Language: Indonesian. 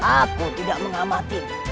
aku tidak mengamati